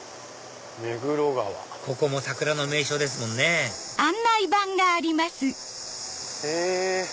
ここも桜の名所ですもんねへぇ。